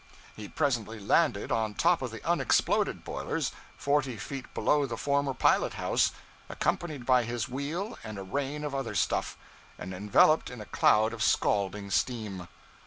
He presently landed on top of the unexploded boilers, forty feet below the former pilot house, accompanied by his wheel and a rain of other stuff, and enveloped in a cloud of scalding steam.